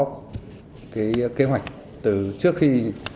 cái kế hoạch từ trước khi